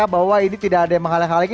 bahwa ini tidak ada yang menghalang halangi